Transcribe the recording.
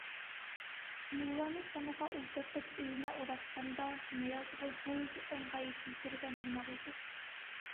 Мулланы санаға ултыртып өйөнә оҙатҡанда, Ныязғол һүҙ ыңғайы килтергән һымаҡ итеп: